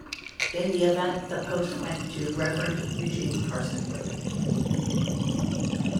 In the event the post went to the Revd Eugene Carson Blake.